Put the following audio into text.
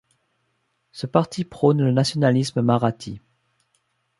Ce parti prône le nationalisme marathi.